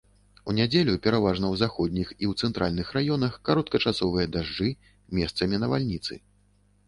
У нядзелю пераважна ў заходніх і ў цэнтральных раёнах кароткачасовыя дажджы, месцамі навальніцы.